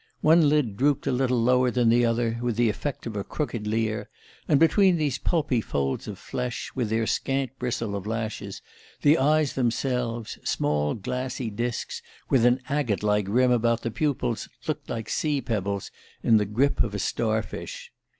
One lid drooped a little lower than the other, with the effect of a crooked leer; and between these pulpy folds of flesh, with their scant bristle of lashes, the eyes themselves, small glassy disks with an agate like rim about the pupils, looked like sea pebbles in the grip of a starfish.